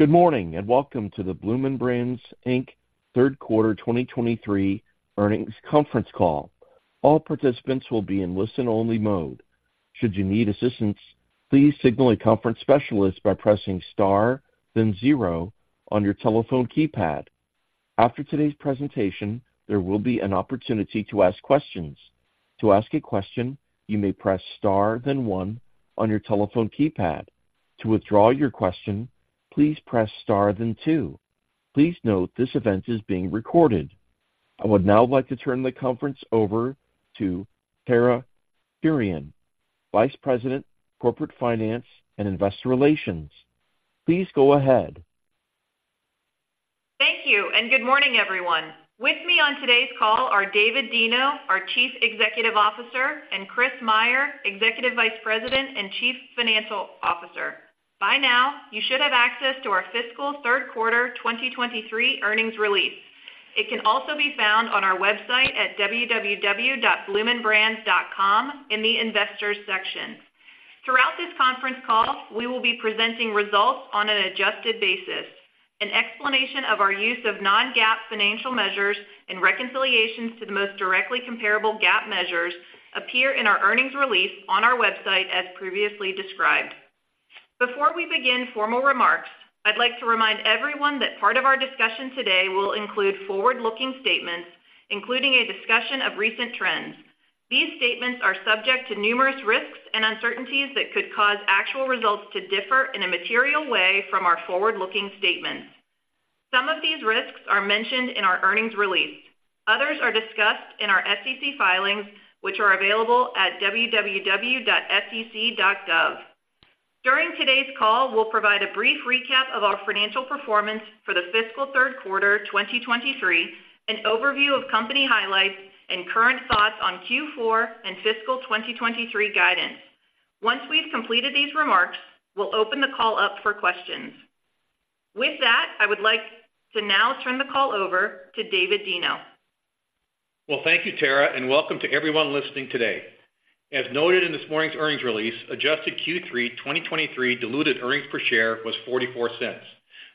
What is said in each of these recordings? Good morning, and welcome to the Bloomin' Brands Inc. third quarter 2023 earnings conference call. All participants will be in listen-only mode. Should you need assistance, please signal a conference specialist by pressing star, then zero on your telephone keypad. After today's presentation, there will be an opportunity to ask questions. To ask a question, you may press star, then one on your telephone keypad. To withdraw your question, please press star, then two. Please note, this event is being recorded. I would now like to turn the conference over to Tara Kurian, Vice President, Corporate Finance and Investor Relations. Please go ahead. Thank you, and good morning, everyone. With me on today's call are David Deno, our Chief Executive Officer, and Chris Meyer, Executive Vice President and Chief Financial Officer. By now, you should have access to our fiscal third quarter 2023 earnings release. It can also be found on our website at www.bloominbrands.com in the Investors section. Throughout this conference call, we will be presenting results on an adjusted basis. An explanation of our use of non-GAAP financial measures and reconciliations to the most directly comparable GAAP measures appear in our earnings release on our website as previously described. Before we begin formal remarks, I'd like to remind everyone that part of our discussion today will include forward-looking statements, including a discussion of recent trends. These statements are subject to numerous risks and uncertainties that could cause actual results to differ in a material way from our forward-looking statements. Some of these risks are mentioned in our earnings release. Others are discussed in our SEC filings, which are available at www.sec.gov. During today's call, we'll provide a brief recap of our financial performance for the fiscal third quarter 2023, an overview of company highlights and current thoughts on Q4 and fiscal 2023 guidance. Once we've completed these remarks, we'll open the call up for questions. With that, I would like to now turn the call over to David Deno. Well, thank you, Tara, and welcome to everyone listening today. As noted in this morning's earnings release, adjusted Q3 2023 diluted earnings per share was $0.44.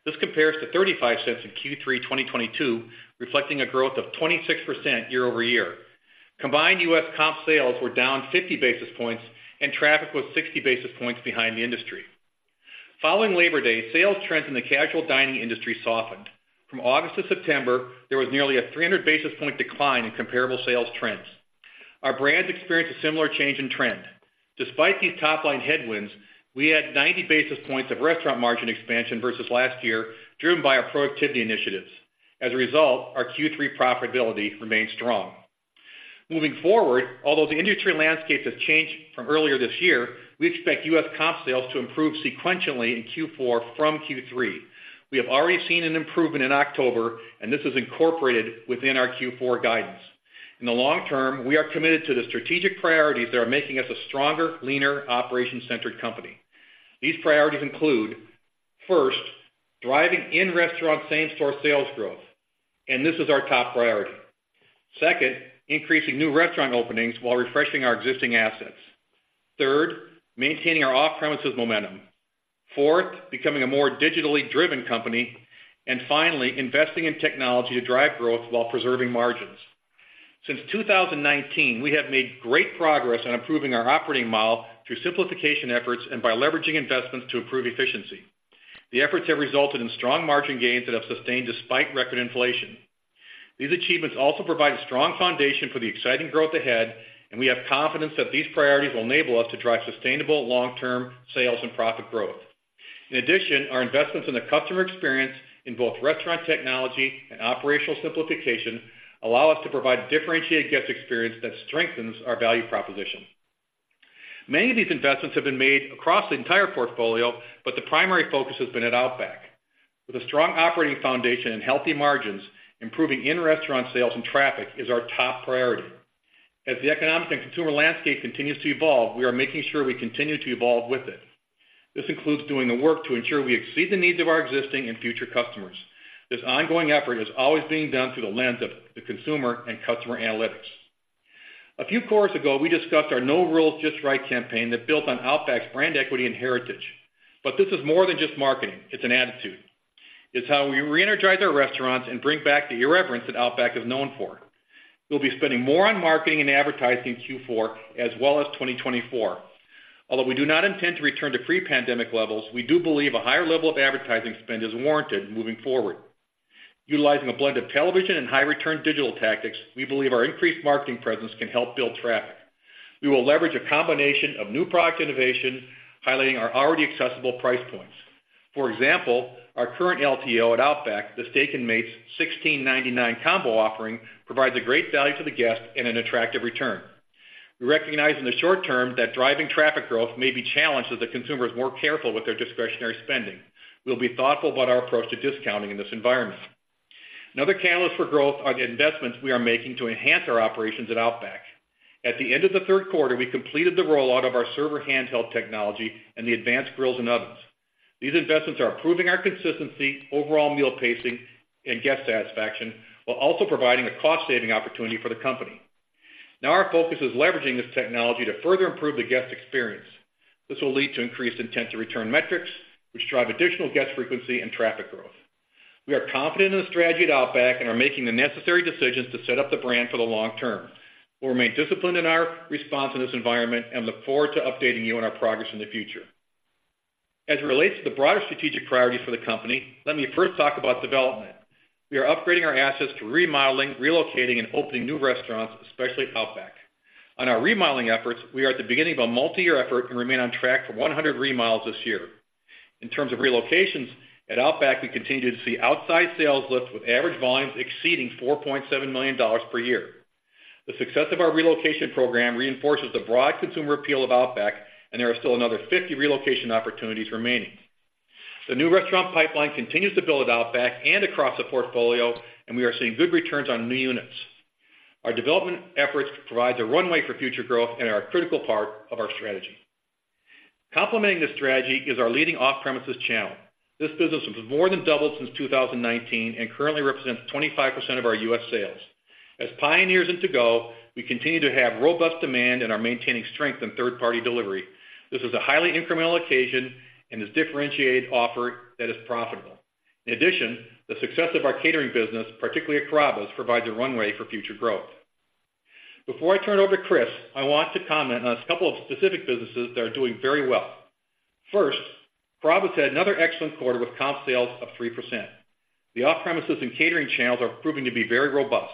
This compares to $0.35 in Q3 2022, reflecting a growth of 26% year over year. Combined U.S. comp sales were down 50 basis points and traffic was 60 basis points behind the industry. Following Labor Day, sales trends in the casual dining industry softened. From August to September, there was nearly a 300 basis point decline in comparable sales trends. Our brands experienced a similar change in trend. Despite these top-line headwinds, we had 90 basis points of restaurant margin expansion versus last year, driven by our productivity initiatives. As a result, our Q3 profitability remained strong. Moving forward, although the industry landscape has changed from earlier this year, we expect U.S. comp sales to improve sequentially in Q4 from Q3. We have already seen an improvement in October, and this is incorporated within our Q4 guidance. In the long term, we are committed to the strategic priorities that are making us a stronger, leaner, operation-centric company. These priorities include, first, driving in-restaurant same-store sales growth, and this is our top priority. Second, increasing new restaurant openings while refreshing our existing assets. Third, maintaining our off-premises momentum. Fourth, becoming a more digitally driven company. And finally, investing in technology to drive growth while preserving margins. Since 2019, we have made great progress on improving our operating model through simplification efforts and by leveraging investments to improve efficiency. The efforts have resulted in strong margin gains that have sustained despite record inflation. These achievements also provide a strong foundation for the exciting growth ahead, and we have confidence that these priorities will enable us to drive sustainable long-term sales and profit growth. In addition, our investments in the customer experience in both restaurant technology and operational simplification allow us to provide differentiated guest experience that strengthens our value proposition. Many of these investments have been made across the entire portfolio, but the primary focus has been at Outback. With a strong operating foundation and healthy margins, improving in-restaurant sales and traffic is our top priority. As the economic and consumer landscape continues to evolve, we are making sure we continue to evolve with it. This includes doing the work to ensure we exceed the needs of our existing and future customers. This ongoing effort is always being done through the lens of the consumer and customer analytics. A few quarters ago, we discussed our No Rules, Just Right campaign that built on Outback's brand equity and heritage. But this is more than just marketing. It's an attitude. It's how we reenergize our restaurants and bring back the irreverence that Outback is known for. We'll be spending more on marketing and advertising in Q4 as well as 2024. Although we do not intend to return to pre-pandemic levels, we do believe a higher level of advertising spend is warranted moving forward. Utilizing a blend of television and high-return digital tactics, we believe our increased marketing presence can help build traffic. We will leverage a combination of new product innovation, highlighting our already accessible price points. For example, our current LTO at Outback, the Steak 'N Mate's $16.99 Combo offering, provides a great value to the guest and an attractive return. We recognize in the short term that driving traffic growth may be challenged as the consumer is more careful with their discretionary spending. We'll be thoughtful about our approach to discounting in this environment. Another catalyst for growth are the investments we are making to enhance our operations at Outback. At the end of the third quarter, we completed the rollout of our server handheld technology and the advanced grills and ovens. These investments are improving our consistency, overall meal pacing, and guest satisfaction, while also providing a cost-saving opportunity for the company. Now our focus is leveraging this technology to further improve the guest experience. This will lead to increased intent to return metrics, which drive additional guest frequency and traffic growth. We are confident in the strategy at Outback and are making the necessary decisions to set up the brand for the long term. We'll remain disciplined in our response in this environment and look forward to updating you on our progress in the future. As it relates to the broader strategic priorities for the company, let me first talk about development. We are upgrading our assets to remodeling, relocating, and opening new restaurants, especially at Outback. On our remodeling efforts, we are at the beginning of a multi-year effort and remain on track for 100 remodels this year. In terms of relocations, at Outback, we continue to see upside sales lift with average volumes exceeding $4.7 million per year. The success of our relocation program reinforces the broad consumer appeal of Outback, and there are still another 50 relocation opportunities remaining. The new restaurant pipeline continues to build at Outback and across the portfolio, and we are seeing good returns on new units. Our development efforts provide the runway for future growth and are a critical part of our strategy. Complementing this strategy is our leading off-premises channel. This business has more than doubled since 2019 and currently represents 25% of our U.S. sales. As pioneers in to-go, we continue to have robust demand and are maintaining strength in third-party delivery. This is a highly incremental occasion and is differentiated offer that is profitable. In addition, the success of our catering business, particularly at Carrabba's, provides a runway for future growth. Before I turn it over to Chris, I want to comment on a couple of specific businesses that are doing very well. First, Carrabba's had another excellent quarter with comp sales of 3%. The off-premises and catering channels are proving to be very robust.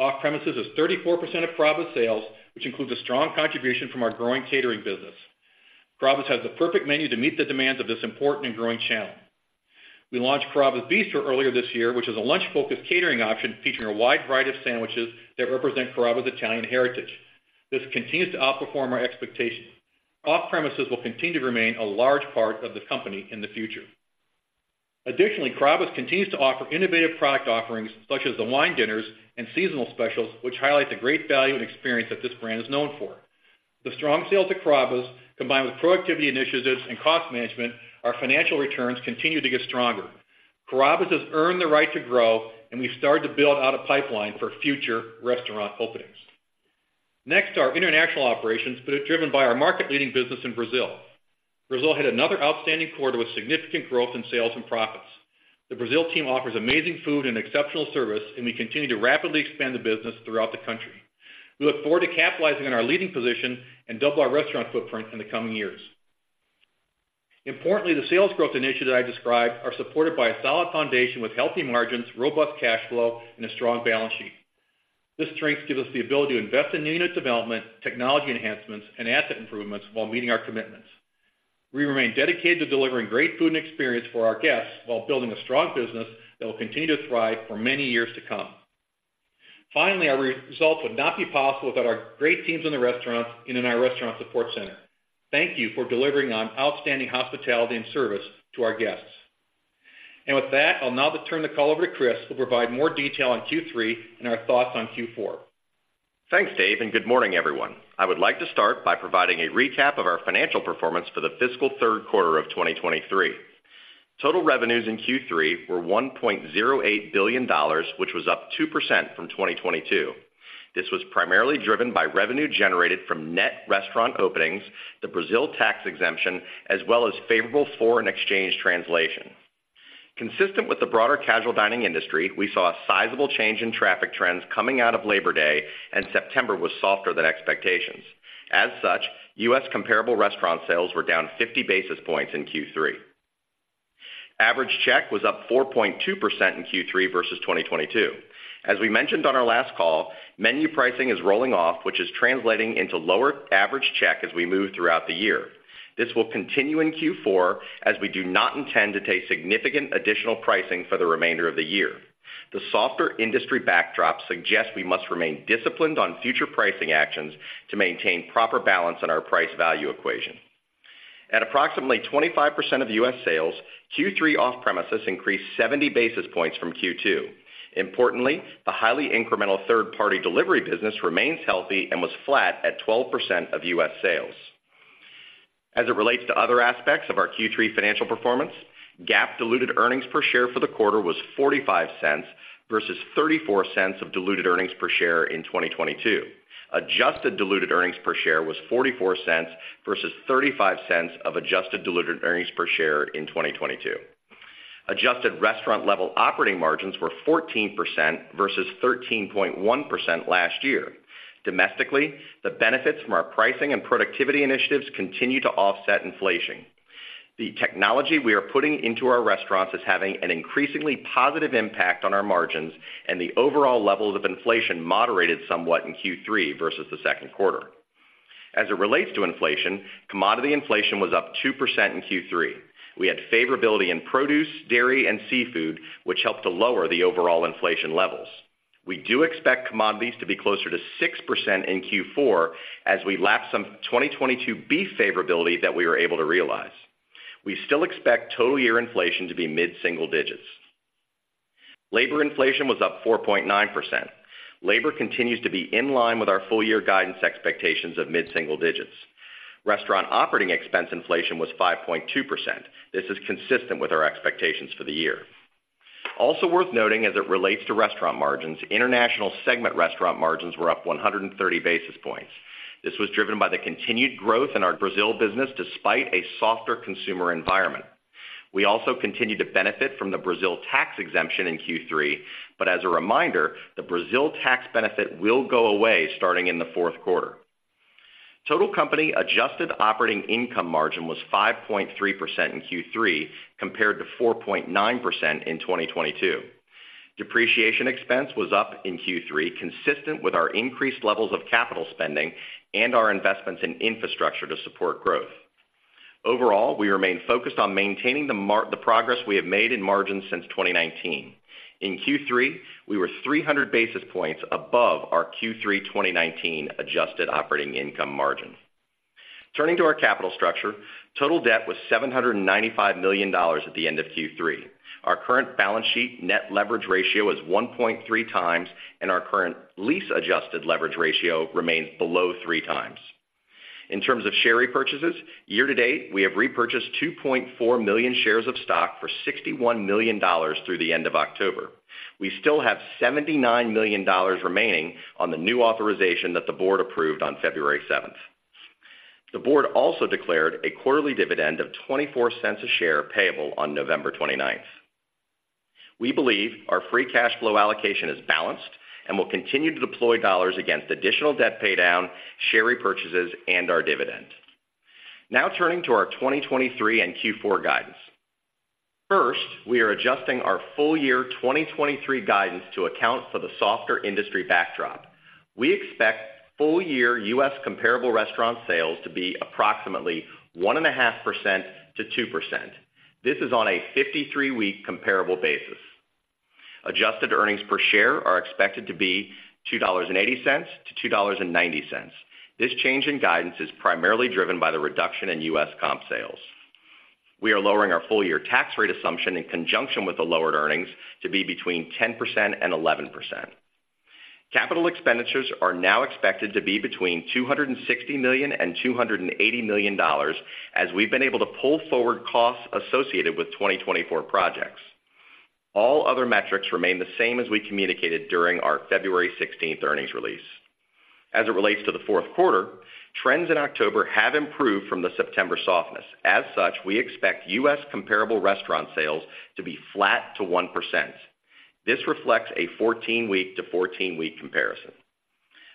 Off-premises is 34% of Carrabba's sales, which includes a strong contribution from our growing catering business. Carrabba's has the perfect menu to meet the demands of this important and growing channel. We launched Carrabba's Bistro earlier this year, which is a lunch-focused catering option featuring a wide variety of sandwiches that represent Carrabba's Italian heritage. This continues to outperform our expectations. Off-premises will continue to remain a large part of the company in the future. Additionally, Carrabba's continues to offer innovative product offerings such as the wine dinners and seasonal specials, which highlight the great value and experience that this brand is known for. The strong sales at Carrabba's, combined with productivity initiatives and cost management. Our financial returns continue to get stronger. Carrabba's has earned the right to grow, and we've started to build out a pipeline for future restaurant openings. Next, our international operations, driven by our market-leading business in Brazil. Brazil had another outstanding quarter with significant growth in sales and profits. The Brazil team offers amazing food and exceptional service, and we continue to rapidly expand the business throughout the country. We look forward to capitalizing on our leading position and double our restaurant footprint in the coming years. Importantly, the sales growth initiatives that I described are supported by a solid foundation with healthy margins, robust cash flow, and a strong balance sheet. This strength gives us the ability to invest in new unit development, technology enhancements, and asset improvements while meeting our commitments. We remain dedicated to delivering great food and experience for our guests while building a strong business that will continue to thrive for many years to come. Finally, our results would not be possible without our great teams in the restaurants and in our restaurant support center. Thank you for delivering on outstanding hospitality and service to our guests. With that, I'll now turn the call over to Chris, who will provide more detail on Q3 and our thoughts on Q4. Thanks, Dave, and good morning, everyone. I would like to start by providing a recap of our financial performance for the fiscal third quarter of 2023. Total revenues in Q3 were $1.08 billion, which was up 2% from 2022. This was primarily driven by revenue generated from net restaurant openings, the Brazil tax exemption, as well as favorable foreign exchange translation. Consistent with the broader casual dining industry, we saw a sizable change in traffic trends coming out of Labor Day, and September was softer than expectations. As such, U.S. comparable restaurant sales were down 50 basis points in Q3. Average check was up 4.2% in Q3 versus 2022. As we mentioned on our last call, menu pricing is rolling off, which is translating into lower average check as we move throughout the year. This will continue in Q4, as we do not intend to take significant additional pricing for the remainder of the year. The softer industry backdrop suggests we must remain disciplined on future pricing actions to maintain proper balance in our price-value equation. At approximately 25% of U.S. sales, Q3 off-premises increased 70 basis points from Q2. Importantly, the highly incremental third-party delivery business remains healthy and was flat at 12% of U.S. sales. As it relates to other aspects of our Q3 financial performance, GAAP diluted earnings per share for the quarter was $0.45 versus $0.34 of diluted earnings per share in 2022. Adjusted diluted earnings per share was $0.44 versus $0.35 of adjusted diluted earnings per share in 2022. Adjusted restaurant-level operating margins were 14% versus 13.1% last year. Domestically, the benefits from our pricing and productivity initiatives continue to offset inflation. The technology we are putting into our restaurants is having an increasingly positive impact on our margins, and the overall levels of inflation moderated somewhat in Q3 versus the second quarter. As it relates to inflation, commodity inflation was up 2% in Q3. We had favorability in produce, dairy, and seafood, which helped to lower the overall inflation levels. We do expect commodities to be closer to 6% in Q4 as we lap some 2022 beef favorability that we were able to realize. We still expect total year inflation to be mid-single digits. Labor inflation was up 4.9%. Labor continues to be in line with our full year guidance expectations of mid-single digits. Restaurant operating expense inflation was 5.2%. This is consistent with our expectations for the year. Also worth noting as it relates to restaurant margins, international segment restaurant margins were up 130 basis points. This was driven by the continued growth in our Brazil business, despite a softer consumer environment. We also continued to benefit from the Brazil tax exemption in Q3, but as a reminder, the Brazil tax benefit will go away starting in the fourth quarter. Total company adjusted operating income margin was 5.3% in Q3, compared to 4.9% in 2022. Depreciation expense was up in Q3, consistent with our increased levels of capital spending and our investments in infrastructure to support growth. Overall, we remain focused on maintaining the progress we have made in margins since 2019. In Q3, we were 300 basis points above our Q3 2019 adjusted operating income margin. Turning to our capital structure, total debt was $795 million at the end of Q3. Our current balance sheet net leverage ratio is 1.3x, and our current lease-adjusted leverage ratio remains below 3x. In terms of share repurchases, year to date, we have repurchased 2.4 million shares of stock for $61 million through the end of October. We still have $79 million remaining on the new authorization that the board approved on February 7th. The board also declared a quarterly dividend of $0.24 a share, payable on November 29th. We believe our free cash flow allocation is balanced and will continue to deploy dollars against additional debt paydown, share repurchases, and our dividend. Now turning to our 2023 and Q4 guidance. First, we are adjusting our full-year 2023 guidance to account for the softer industry backdrop. We expect full-year U.S. comparable restaurant sales to be approximately 1.5%-2%. This is on a 53-week comparable basis. Adjusted earnings per share are expected to be $2.80-$2.90. This change in guidance is primarily driven by the reduction in U.S. comp sales. We are lowering our full year tax rate assumption in conjunction with the lowered earnings, to be between 10% and 11%. Capital expenditures are now expected to be between $260 million and $280 million, as we've been able to pull forward costs associated with 2024 projects. All other metrics remain the same as we communicated during our February 16th earnings release. As it relates to the fourth quarter, trends in October have improved from the September softness. As such, we expect U.S. comparable restaurant sales to be flat to 1%. This reflects a 14-week to 14-week comparison.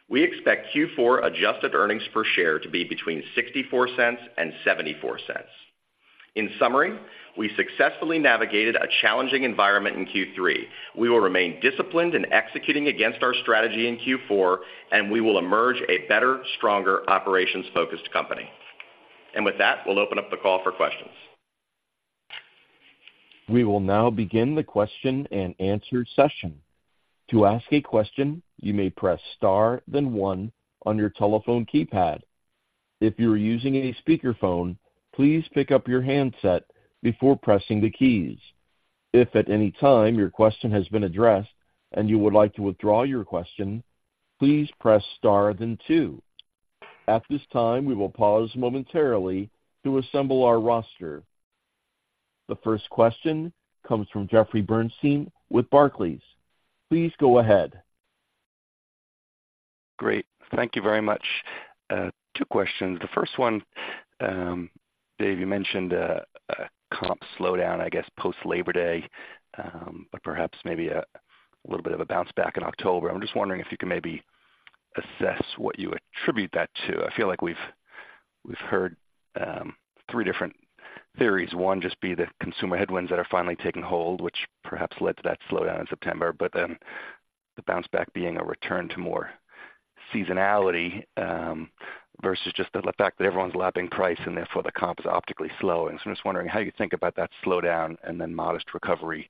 We expect Q4 adjusted earnings per share to be between $0.64 and $0.74. In summary, we successfully navigated a challenging environment in Q3. We will remain disciplined in executing against our strategy in Q4, and we will emerge a better, stronger, operations-focused company. With that, we'll open up the call for questions. We will now begin the question-and-answer session. To ask a question, you may press star, then one on your telephone keypad. If you are using a speakerphone, please pick up your handset before pressing the keys. If at any time your question has been addressed and you would like to withdraw your question, please press star, then two. At this time, we will pause momentarily to assemble our roster. The first question comes from Jeffrey Bernstein with Barclays. Please go ahead. Great. Thank you very much. Two questions. The first one, Dave, you mentioned a comp slowdown, I guess, post-Labor Day, but perhaps maybe a little bit of a bounce back in October. I'm just wondering if you can maybe assess what you attribute that to. I feel like we've heard three different theories. One, just the consumer headwinds that are finally taking hold, which perhaps led to that slowdown in September, but then the bounce back being a return to more seasonality, versus just the fact that everyone's lapping price, and therefore, the comp is optically slowing. So I'm just wondering how you think about that slowdown and then modest recovery.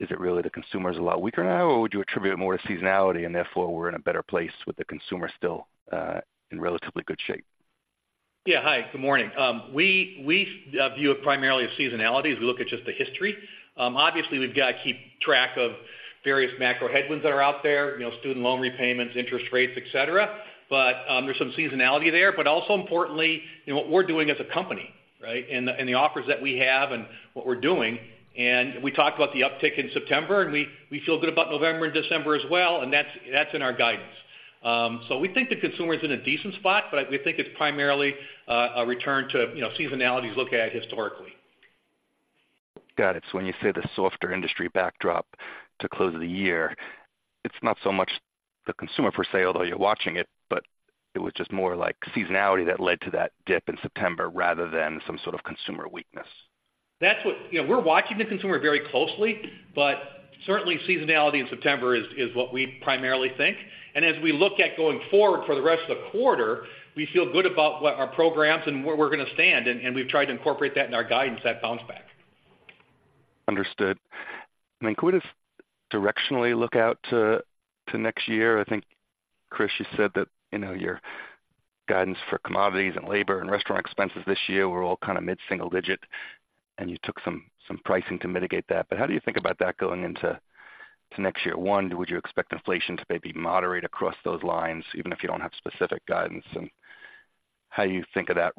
Is it really the consumer is a lot weaker now, or would you attribute it more to seasonality, and therefore, we're in a better place with the consumer still in relatively good shape? Yeah. Hi, good morning. We view it primarily as seasonality as we look at just the history. Obviously, we've got to keep track of various macro headwinds that are out there, you know, student loan repayments, interest rates, et cetera, but there's some seasonality there, but also importantly, you know, what we're doing as a company, right? And the offers that we have and what we're doing, and we talked about the uptick in September, and we feel good about November and December as well, and that's in our guidance. So we think the consumer is in a decent spot, but we think it's primarily a return to, you know, seasonality as looked at historically. Got it. When you say the softer industry backdrop to close the year, it's not so much the consumer per se, although you're watching it, but it was just more like seasonality that led to that dip in September rather than some sort of consumer weakness. You know, we're watching the consumer very closely, but certainly seasonality in September is what we primarily think. And as we look at going forward for the rest of the quarter, we feel good about what our programs and where we're going to stand, and we've tried to incorporate that in our guidance, that bounce back. Understood. And then could we directionally look out to next year? I think, Chris, you said that, you know, your guidance for commodities and labor and restaurant expenses this year were all kind of mid-single digit, and you took some, some pricing to mitigate that. But how do you think about that going into to next year? One, would you expect inflation to maybe moderate across those lines, even if you don't have specific guidance? And how do you think of that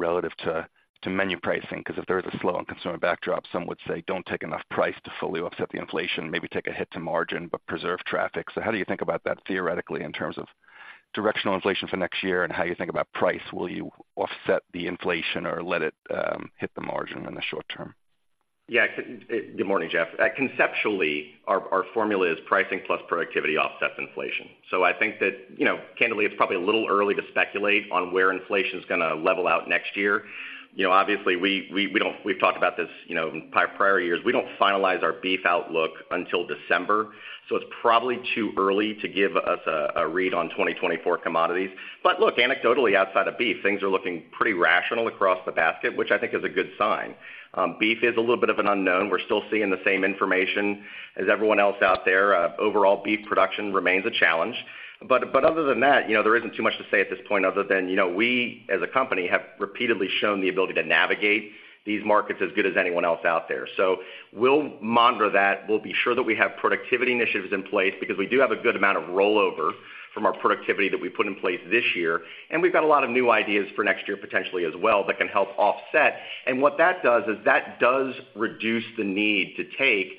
relative to menu pricing, because if there is a slow on consumer backdrop, some would say, don't take enough price to fully offset the inflation, maybe take a hit to margin, but preserve traffic. So how do you think about that theoretically, in terms of directional inflation for next year, and how you think about price? Will you offset the inflation or let it hit the margin in the short term? Yeah. Good morning, Jeff. Conceptually, our formula is pricing plus productivity offsets inflation. So I think that, you know, candidly, it's probably a little early to speculate on where inflation is going to level out next year. You know, obviously, we don't. We've talked about this, you know, in prior years. We don't finalize our beef outlook until December, so it's probably too early to give us a read on 2024 commodities. But look, anecdotally, outside of beef, things are looking pretty rational across the basket, which I think is a good sign. Beef is a little bit of an unknown. We're still seeing the same information as everyone else out there. Overall, beef production remains a challenge. But other than that, you know, there isn't too much to say at this point other than, you know, we, as a company, have repeatedly shown the ability to navigate these markets as good as anyone else out there. So we'll monitor that. We'll be sure that we have productivity initiatives in place because we do have a good amount of rollover from our productivity that we put in place this year, and we've got a lot of new ideas for next year, potentially as well, that can help offset. And what that does is that does reduce the need to take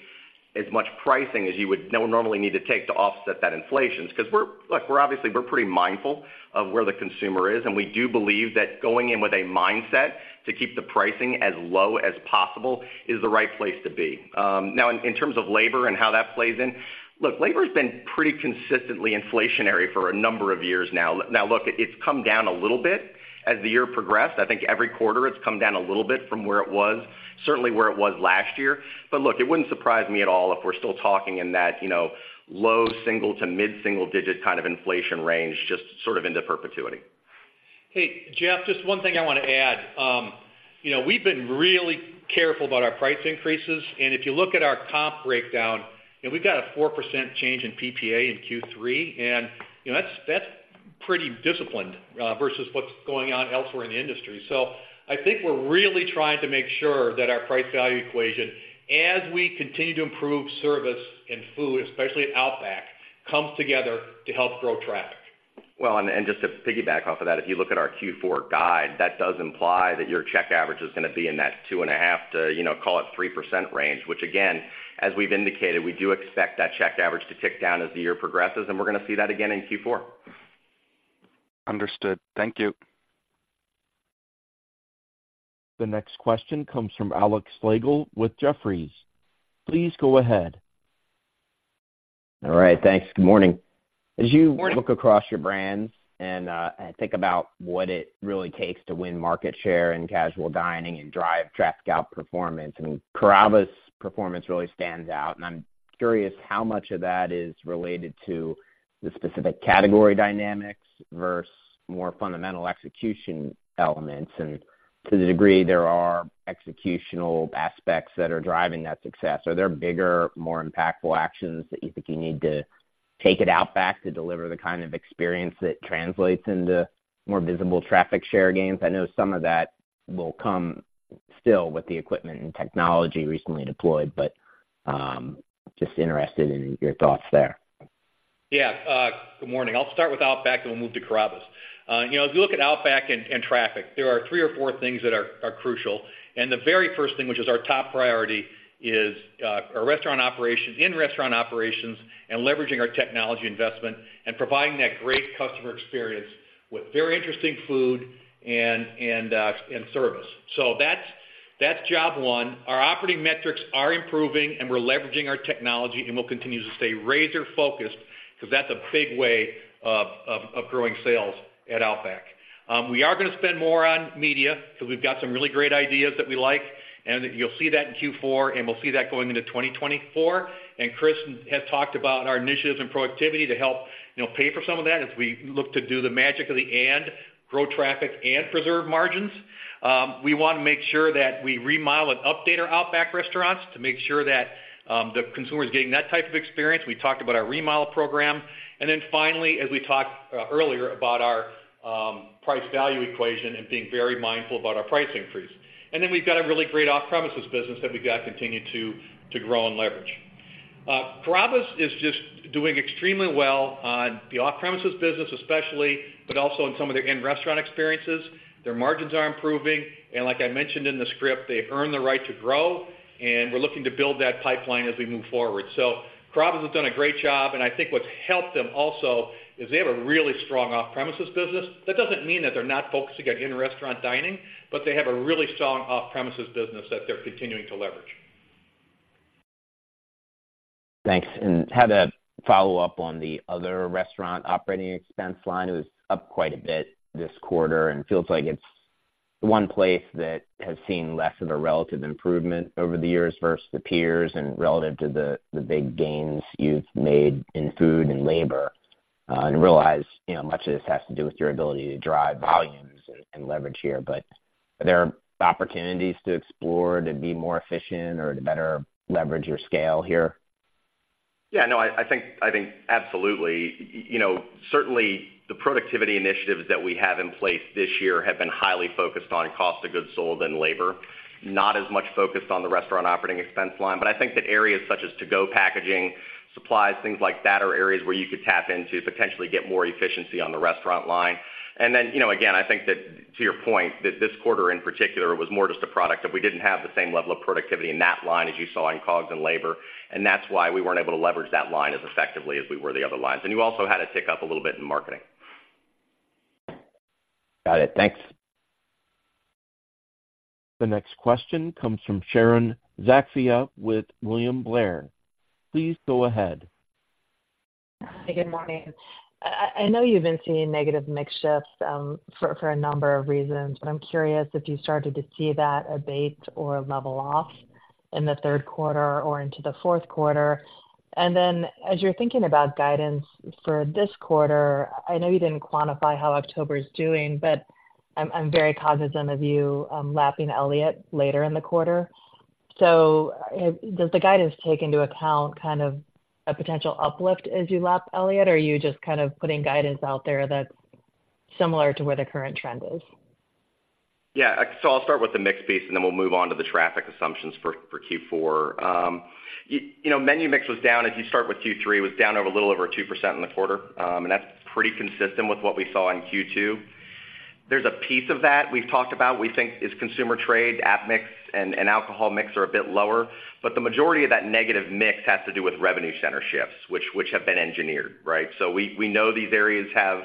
as much pricing as you would normally need to take to offset that inflation. Because we're look, we're obviously, we're pretty mindful of where the consumer is, and we do believe that going in with a mindset to keep the pricing as low as possible is the right place to be. Now, in terms of labor and how that plays in, look, labor has been pretty consistently inflationary for a number of years now. Now, look, it's come down a little bit as the year progressed. I think every quarter, it's come down a little bit from where it was, certainly where it was last year. But look, it wouldn't surprise me at all if we're still talking in that, you know, low single to mid-single digit kind of inflation range, just sort of into perpetuity. Hey, Jeff, just one thing I want to add. You know, we've been really careful about our price increases, and if you look at our comp breakdown, and we've got a 4% change in PPA in Q3, and, you know, that's, that's pretty disciplined, versus what's going on elsewhere in the industry. So I think we're really trying to make sure that our price value equation, as we continue to improve service and food, especially at Outback, comes together to help grow traffic. Well, and just to piggyback off of that, if you look at our Q4 guide, that does imply that your check average is going to be in that 2.5%-3% range, which again, as we've indicated, we do expect that check average to tick down as the year progresses, and we're going to see that again in Q4. Understood. Thank you. The next question comes from Alex Slagle with Jefferies. Please go ahead. All right, thanks. Good morning. As you look across your brands and think about what it really takes to win market share in casual dining and drive traffic out performance, and Carrabba's performance really stands out, and I'm curious how much of that is related to the specific category dynamics versus more fundamental execution elements. To the degree there are executional aspects that are driving that success, are there bigger, more impactful actions that you think you need to take it Outback to deliver the kind of experience that translates into more visible traffic share gains? I know some of that will come still with the equipment and technology recently deployed, but just interested in your thoughts there. Yeah, good morning. I'll start with Outback, and we'll move to Carrabba's. You know, if you look at Outback and traffic, there are three or four things that are crucial. And the very first thing, which is our top priority, is our restaurant operations, in-restaurant operations, and leveraging our technology investment and providing that great customer experience with very interesting food and service. So that's job one. Our operating metrics are improving, and we're leveraging our technology, and we'll continue to stay razor-focused because that's a big way of growing sales at Outback. We are going to spend more on media because we've got some really great ideas that we like, and you'll see that in Q4, and we'll see that going into 2024. Chris has talked about our initiatives and productivity to help, you know, pay for some of that as we look to do the magic of the and, grow traffic and preserve margins. We want to make sure that we remodel and update our Outback restaurants to make sure that the consumer is getting that type of experience. We talked about our remodel program. And then finally, as we talked earlier about our price value equation and being very mindful about our price increase. And then we've got a really great off-premises business that we've got to continue to grow and leverage. Carrabba's is just doing extremely well on the off-premises business, especially, but also in some of their in-restaurant experiences. Their margins are improving, and like I mentioned in the script, they earn the right to grow, and we're looking to build that pipeline as we move forward. So Carrabba's has done a great job, and I think what's helped them also is they have a really strong off-premises business. That doesn't mean that they're not focusing on in-restaurant dining, but they have a really strong off-premises business that they're continuing to leverage. Thanks. And had a follow-up on the other restaurant operating expense line. It was up quite a bit this quarter and feels like it's one place that has seen less of a relative improvement over the years versus the peers and relative to the big gains you've made in food and labor. And realize, you know, much of this has to do with your ability to drive volumes and leverage here, but are there opportunities to explore, to be more efficient or to better leverage your scale here? Yeah, no, I think, absolutely. You know, certainly the productivity initiatives that we have in place this year have been highly focused on cost of goods sold and labor, not as much focused on the restaurant operating expense line. But I think that areas such as to-go packaging, supplies, things like that, are areas where you could tap into potentially get more efficiency on the restaurant line. And then, you know, again, I think that to your point, that this quarter, in particular, was more just a product that we didn't have the same level of productivity in that line as you saw in COGS and labor, and that's why we weren't able to leverage that line as effectively as we were the other lines. And you also had a tick up a little bit in marketing. Got it. Thanks. The next question comes from Sharon Zackfia with William Blair. Please go ahead. Hi, good morning. I know you've been seeing negative mix shifts, for a number of reasons, but I'm curious if you started to see that abate or level off in the third quarter or into the fourth quarter? And then, as you're thinking about guidance for this quarter, I know you didn't quantify how October is doing, but I'm very cognizant of you, lapping Elliott later in the quarter. So, does the guidance take into account kind of a potential uplift as you lap Elliott, or are you just kind of putting guidance out there that's similar to where the current trend is? Yeah. So I'll start with the mix piece, and then we'll move on to the traffic assumptions for Q4. You know, menu mix was down. If you start with Q3, it was down over a little over 2% in the quarter, and that's pretty consistent with what we saw in Q2. There's a piece of that we've talked about, we think is consumer trade, app mix, and alcohol mix are a bit lower. But the majority of that negative mix has to do with revenue center shifts, which have been engineered, right? So we know these areas have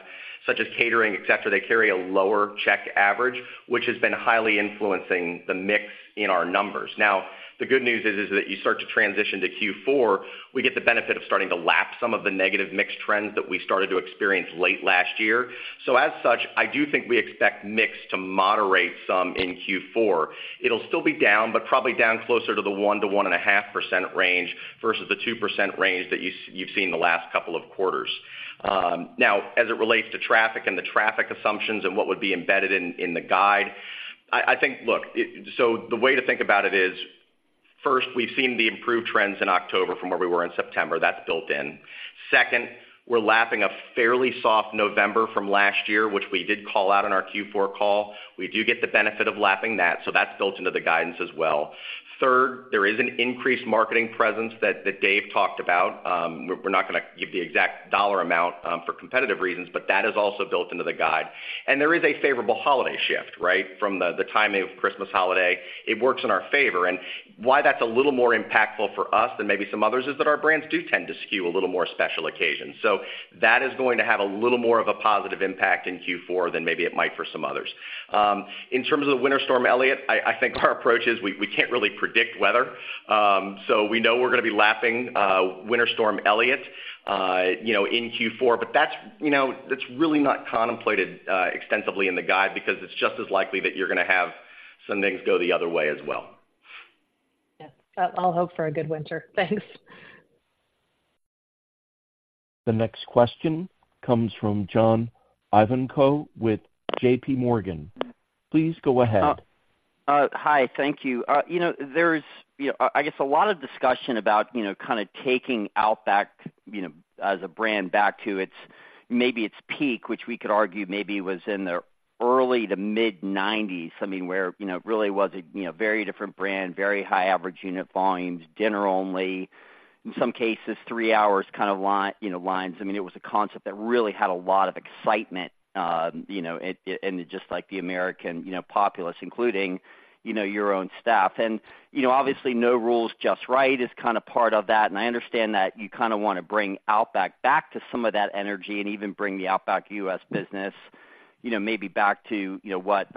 such as catering, et cetera, they carry a lower check average, which has been highly influencing the mix in our numbers. Now, the good news is that you start to transition to Q4, we get the benefit of starting to lap some of the negative mix trends that we started to experience late last year. So as such, I do think we expect mix to moderate some in Q4. It'll still be down, but probably down closer to the 1%-1.5% range versus the 2% range that you've seen the last couple of quarters. Now, as it relates to traffic and the traffic assumptions and what would be embedded in the guide, I think... Look, so the way to think about it is, first, we've seen the improved trends in October from where we were in September. That's built in. Second, we're lapping a fairly soft November from last year, which we did call out in our Q4 call. We do get the benefit of lapping that, so that's built into the guidance as well. Third, there is an increased marketing presence that Dave talked about. We're not going to give the exact dollar amount for competitive reasons, but that is also built into the guide. And there is a favorable holiday shift, right? From the timing of Christmas holiday. It works in our favor. And why that's a little more impactful for us than maybe some others is that our brands do tend to skew a little more special occasion. So that is going to have a little more of a positive impact in Q4 than maybe it might for some others. In terms of the Winter Storm Elliott, I think our approach is we can't really predict weather. We know we're going to be lapping Winter Storm Elliott, you know, in Q4. That's, you know, that's really not contemplated extensively in the guide because it's just as likely that you're going to have some things go the other way as well. Yeah. I'll hope for a good winter. Thanks. The next question comes from John Ivankoe with JPMorgan. Please go ahead. Hi, thank you. You know, there's, you know, I guess a lot of discussion about, you know, kind of taking Outback, you know, as a brand back to its maybe its peak, which we could argue maybe was in the early to mid-nineties. I mean, where, you know, it really was a, you know, very different brand, very high average unit volumes, dinner only, in some cases, three hours kind of line, you know, lines. I mean, it was a concept that really had a lot of excitement, you know, and, and just like the American, you know, populace, including, you know, your own staff. And, you know, obviously, No Rules, Just Right is kind of part of that, and I understand that you kind of want to bring Outback back to some of that energy and even bring the Outback U.S. business, you know, maybe back to, you know, what,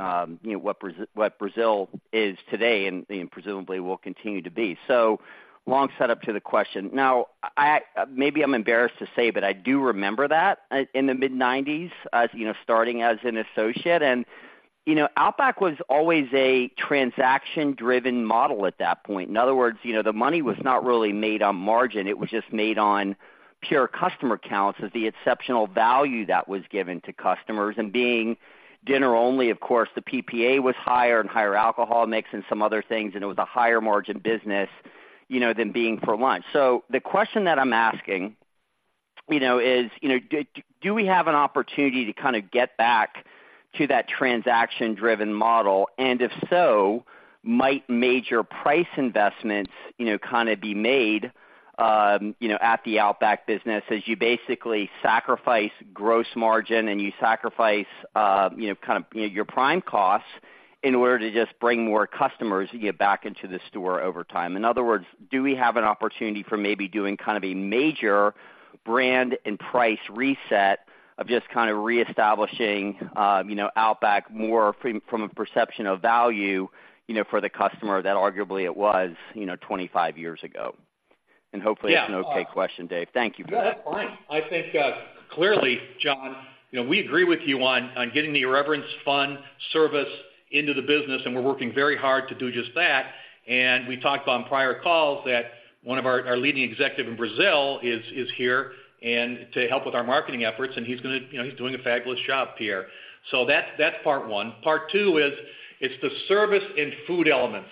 you know, what Brazil is today and, and presumably will continue to be. So long setup to the question. Now, I maybe I'm embarrassed to say, but I do remember that in the mid-1990s, as you know, starting as an associate. And, you know, Outback was always a transaction-driven model at that point. In other words, you know, the money was not really made on margin. It was just made on pure customer counts of the exceptional value that was given to customers. And being dinner only, of course, the PPA was higher and higher alcohol mix and some other things, and it was a higher margin business, you know, than being for lunch. So the question that I'm asking, you know, is, you know, do we have an opportunity to kind of get back to that transaction-driven model? And if so, might major price investments, you know, kind of be made, you know, at the Outback business, as you basically sacrifice gross margin and you sacrifice, you know, kind of, you know, your prime costs in order to just bring more customers to get back into the store over time? In other words, do we have an opportunity for maybe doing kind of a major brand and price reset of just kind of reestablishing, you know, Outback more from a perception of value, you know, for the customer that arguably it was, you know, 25 years ago? And hopefully it's an okay question, Dave. Thank you. Yeah, fine. I think clearly, John, you know, we agree with you on getting the irreverent fun service into the business, and we're working very hard to do just that. We talked on prior calls that one of our leading executive in Brazil is here to help with our marketing efforts, and he's gonna, you know, he's doing a fabulous job here. So that's part one. Part two is the service and food elements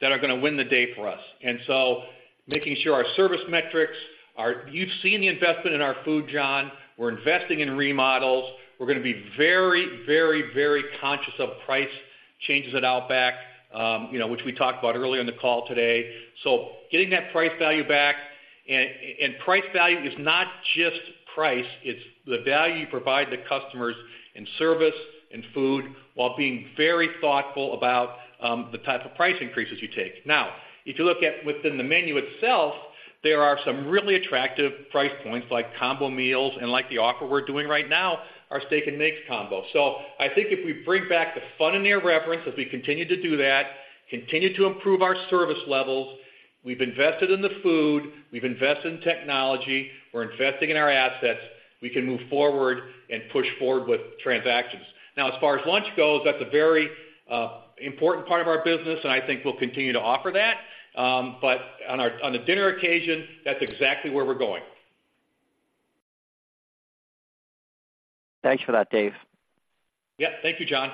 that are going to win the day for us. And so making sure our service metrics are. You've seen the investment in our food, John. We're investing in remodels. We're going to be very, very, very conscious of price changes at Outback, you know, which we talked about earlier in the call today. So getting that price value back, and, and price value is not just price, it's the value you provide the customers in service, in food, while being very thoughtful about, the type of price increases you take. Now, if you look at within the menu itself, there are some really attractive price points, like combo meals and like the offer we're doing right now, our Steak 'N Mate Combo. So I think if we bring back the fun and near reference, as we continue to do that, continue to improve our service levels, we've invested in the food, we've invested in technology, we're investing in our assets, we can move forward and push forward with transactions. Now, as far as lunch goes, that's a very important part of our business, and I think we'll continue to offer that. But on the dinner occasion, that's exactly where we're going. Thanks for that, Dave. Yeah. Thank you, John.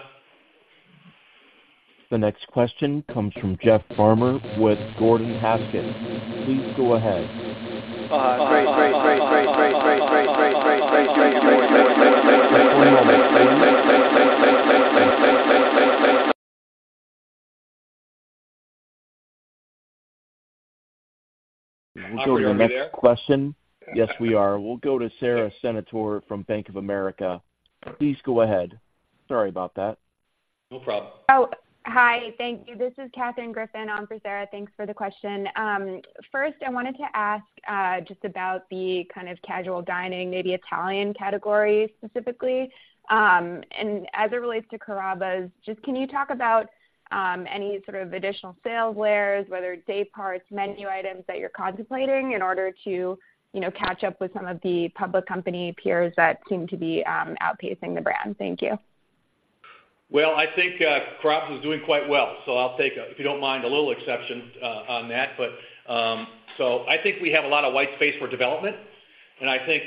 The next question comes from Jeff Farmer with Gordon Haskett. Please go ahead. Great. Great, great, great, great, great, great, great, great. We'll go to the next question. Yes, we are. We'll go to Sara Senatore from Bank of America. Please go ahead. Sorry about that. No problem. Oh, hi, thank you. This is Katherine Griffin on for Sara. Thanks for the question. First, I wanted to ask just about the kind of casual dining, maybe Italian category, specifically. As it relates to Carrabba's, just can you talk about any sort of additional sales layers, whether it's day parts, menu items that you're contemplating in order to, you know, catch up with some of the public company peers that seem to be outpacing the brand? Thank you. Well, I think, Carrabba's is doing quite well, so I'll take, if you don't mind, a little exception, on that. But, so I think we have a lot of white space for development, and I think,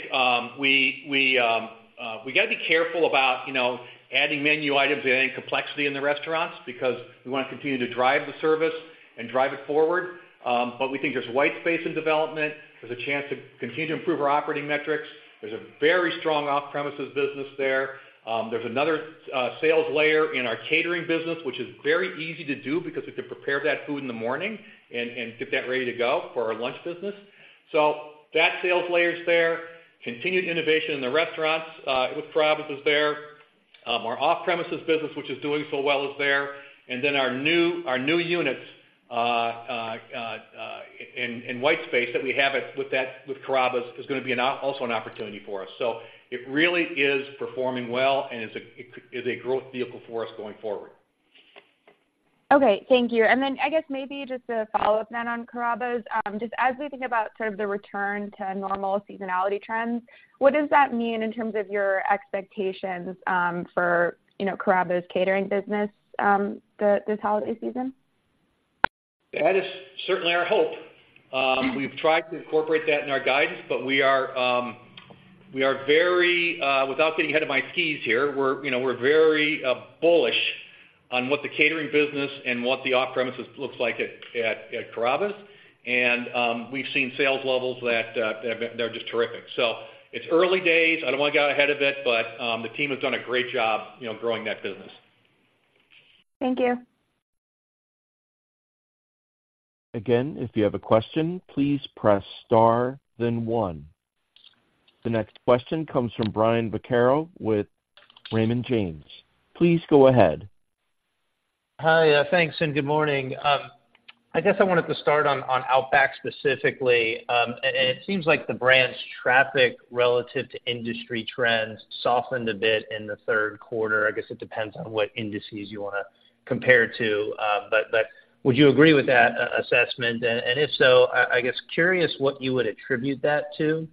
we got to be careful about, you know, adding menu items and adding complexity in the restaurants because we want to continue to drive the service and drive it forward. But we think there's white space in development. There's a chance to continue to improve our operating metrics. There's a very strong off-premises business there. There's another sales layer in our catering business, which is very easy to do because we can prepare that food in the morning and get that ready to go for our lunch business. So that sales layer is there. Continued innovation in the restaurants with Carrabba's is there. Our off-premises business, which is doing so well, is there. And then our new units in white space that we have it with that with Carrabba's is going to be also an opportunity for us. So it really is performing well and is a growth vehicle for us going forward. Okay, thank you. Then I guess maybe just a follow-up then on Carrabba's. Just as we think about sort of the return to normal seasonality trends, what does that mean in terms of your expectations, for, you know, Carrabba's catering business, this holiday season? That is certainly our hope. We've tried to incorporate that in our guidance, but we are very without getting ahead of my skis here, we're, you know, we're very bullish on what the catering business and what the off-premises looks like at Carrabba's. And we've seen sales levels that are just terrific. So it's early days. I don't want to get ahead of it, but the team has done a great job, you know, growing that business. Thank you. Again, if you have a question, please press star, then one. The next question comes from Brian Vaccaro with Raymond James. Please go ahead. Hi, thanks, and good morning. I guess I wanted to start on Outback specifically. And it seems like the brand's traffic relative to industry trends softened a bit in the third quarter. I guess it depends on what indices you want to compare to. But would you agree with that assessment? And if so, I guess curious what you would attribute that to.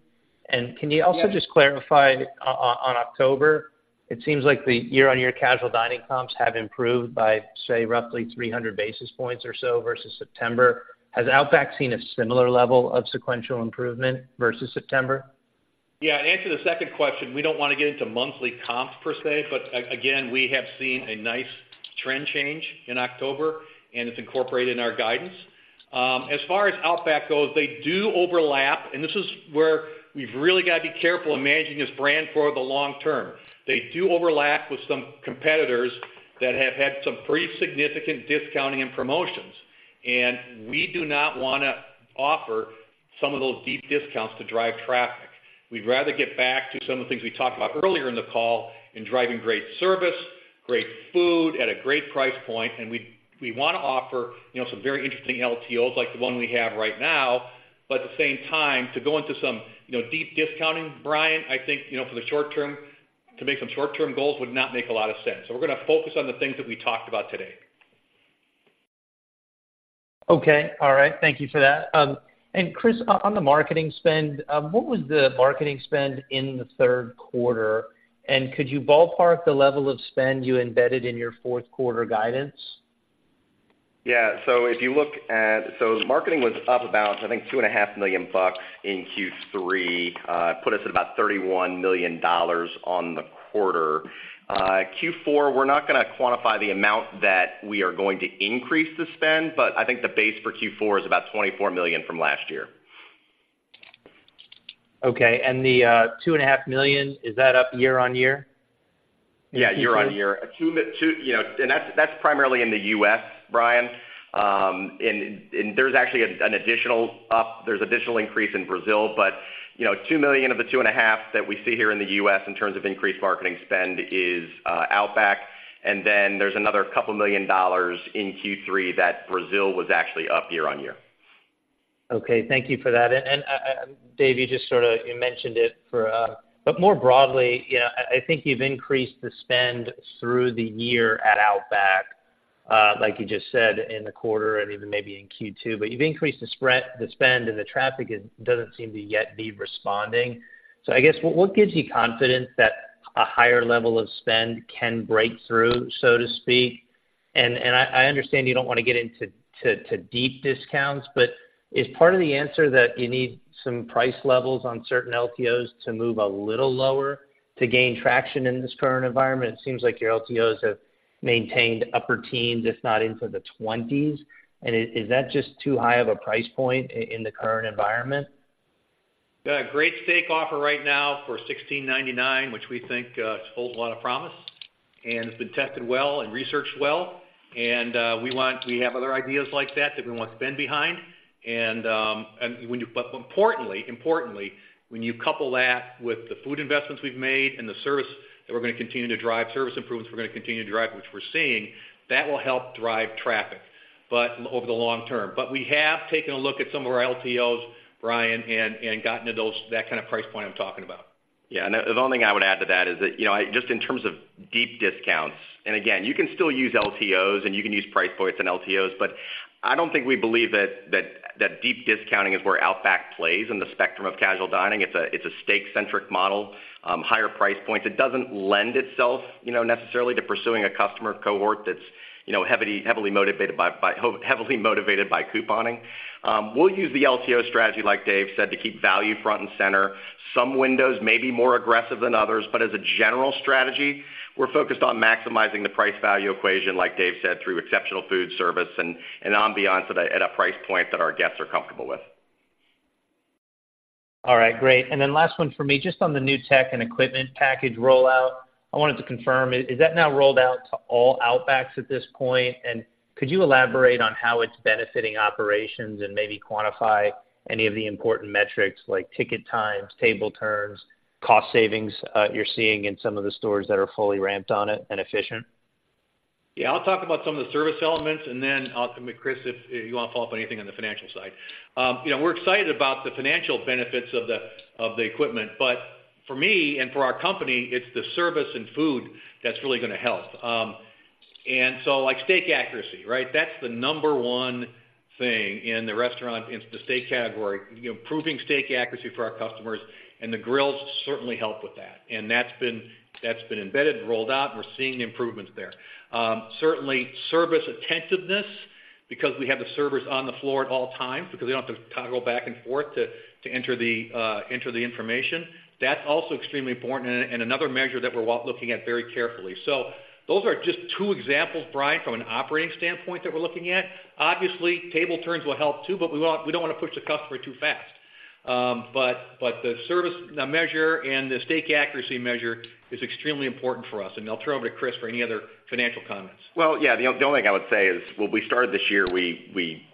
And can you also just clarify on October, it seems like the year-on-year casual dining comps have improved by, say, roughly 300 basis points or so versus September. Has Outback seen a similar level of sequential improvement versus September? Yeah, to answer the second question, we don't want to get into monthly comps per se, but again, we have seen a nice trend change in October, and it's incorporated in our guidance. As far as Outback goes, they do overlap, and this is where we've really got to be careful in managing this brand for the long term. They do overlap with some competitors that have had some pretty significant discounting and promotions, and we do not want to offer some of those deep discounts to drive traffic. We'd rather get back to some of the things we talked about earlier in the call in driving great service, great food at a great price point. And we want to offer, you know, some very interesting LTOs like the one we have right now, but at the same time, to go into some, you know, deep discounting, Brian, I think, you know, for the short term to make some short-term goals would not make a lot of sense. So we're going to focus on the things that we talked about today. Okay, all right. Thank you for that. And Chris, on the marketing spend, what was the marketing spend in the third quarter? And could you ballpark the level of spend you embedded in your fourth quarter guidance? Yeah. So if you look at, so marketing was up about, I think, $2.5 million in Q3, put us at about $31 million on the quarter. Q4, we're not going to quantify the amount that we are going to increase the spend, but I think the base for Q4 is about $24 million from last year. Okay, and the $2.5 million, is that up year-on-year? Yeah, year-on-year. You know, and that's, that's primarily in the U.S., Brian. And there's actually an additional increase in Brazil. But, you know, $2 million of the $2.5 million that we see here in the U.S. in terms of increased marketing spend is Outback. And then there's another couple million dollars in Q3 that Brazil was actually up year-on-year. Okay, thank you for that. And, Dave, you just sort of mentioned it, but more broadly, you know, I think you've increased the spend through the year at Outback, like you just said, in the quarter and even maybe in Q2. But you've increased the spend, and the traffic doesn't seem to yet be responding. So I guess, what gives you confidence that a higher level of spend can break through, so to speak? And, I understand you don't want to get into deep discounts, but is part of the answer that you need some price levels on certain LTOs to move a little lower to gain traction in this current environment? It seems like your LTOs have maintained upper teens, if not into the twenties. Is that just too high of a price point in the current environment? We've got a great steak offer right now for $16.99, which we think holds a lot of promise, and it's been tested well and researched well. And we have other ideas like that, that we want to spend behind. But importantly, importantly, when you couple that with the food investments we've made and the service, that we're going to continue to drive service improvements, we're going to continue to drive, which we're seeing, that will help drive traffic, but over the long term. But we have taken a look at some of our LTOs, Brian, and gotten to those, that kind of price point I'm talking about. Yeah, and the only thing I would add to that is that, you know, just in terms of deep discounts, and again, you can still use LTOs and you can use price points and LTOs, but I don't think we believe that deep discounting is where Outback plays in the spectrum of casual dining. It's a steak-centric model, higher price points. It doesn't lend itself, you know, necessarily to pursuing a customer cohort that's, you know, heavily motivated by couponing. We'll use the LTO strategy, like Dave said, to keep value front and center. Some windows may be more aggressive than others, but as a general strategy, we're focused on maximizing the price value equation, like Dave said, through exceptional food service and ambiance at a price point that our guests are comfortable with. All right, great. And then last one for me, just on the new tech and equipment package rollout. I wanted to confirm, is that now rolled out to all Outbacks at this point? And could you elaborate on how it's benefiting operations and maybe quantify any of the important metrics like ticket times, table turns, cost savings, you're seeing in some of the stores that are fully ramped on it and efficient? Yeah, I'll talk about some of the service elements, and then I'll, Chris, if you want to follow up on anything on the financial side. You know, we're excited about the financial benefits of the equipment, but for me and for our company, it's the service and food that's really going to help. And so like steak accuracy, right? That's the number one thing in the restaurant, in the steak category. You know, improving steak accuracy for our customers, and the grills certainly help with that. And that's been embedded and rolled out, and we're seeing improvements there. Certainly, service attentiveness, because we have the servers on the floor at all times because they don't have to toggle back and forth to enter the information. That's also extremely important and another measure that we're looking at very carefully. So those are just two examples, Brian, from an operating standpoint that we're looking at. Obviously, table turns will help, too, but we don't want to push the customer too fast. But the service, the measure and the steak accuracy measure is extremely important for us, and I'll turn over to Chris for any other financial comments. Well, yeah, the only thing I would say is, when we started this year, we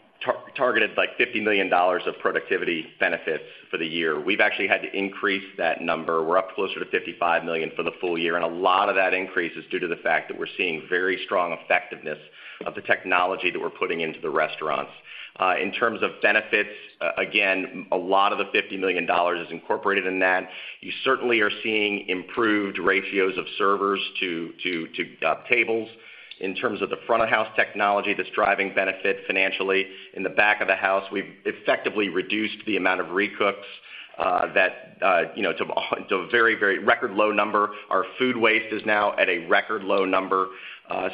targeted, like, $50 million of productivity benefits for the year. We've actually had to increase that number. We're up closer to $55 million for the full year, and a lot of that increase is due to the fact that we're seeing very strong effectiveness of the technology that we're putting into the restaurants. In terms of benefits, again, a lot of the $50 million is incorporated in that. You certainly are seeing improved ratios of servers to tables. In terms of the front of house technology, that's driving benefit financially. In the back of the house, we've effectively reduced the amount of recooks that you know to a very, very record low number. Our food waste is now at a record low number.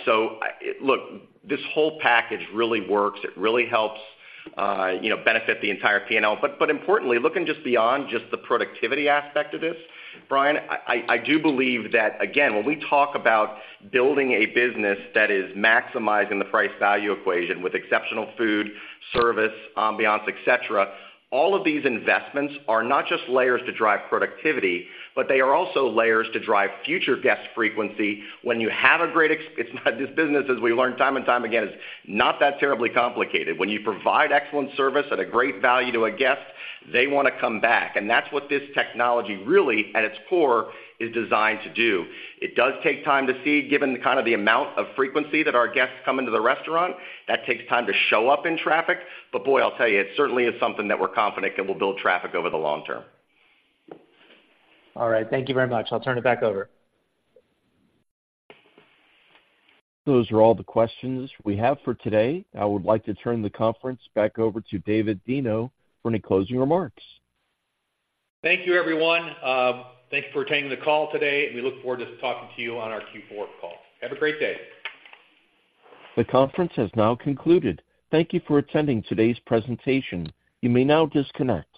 So, look, this whole package really works. It really helps, you know, benefit the entire P&L. But importantly, looking just beyond just the productivity aspect of this, Brian, I do believe that, again, when we talk about building a business that is maximizing the price value equation with exceptional food, service, ambiance, et cetera, all of these investments are not just layers to drive productivity, but they are also layers to drive future guest frequency. When you have a great ex- it's not, this business, as we learn time and time again, is not that terribly complicated. When you provide excellent service at a great value to a guest, they want to come back, and that's what this technology really, at its core, is designed to do. It does take time to see, given the kind of the amount of frequency that our guests come into the restaurant, that takes time to show up in traffic. But boy, I'll tell you, it certainly is something that we're confident that will build traffic over the long term. All right. Thank you very much. I'll turn it back over. Those are all the questions we have for today. I would like to turn the conference back over to David Deno for any closing remarks. Thank you, everyone. Thank you for attending the call today, and we look forward to talking to you on our Q4 call. Have a great day. The conference has now concluded. Thank you for attending today's presentation. You may now disconnect.